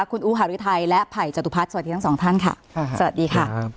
คุณอูหารุทัยและไผ่จตุพัฒน์สวัสดีทั้งสองท่านค่ะสวัสดีค่ะ